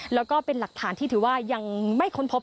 แล้วก็เป็นหลักฐานที่ถือว่ายังไม่ค้นพบ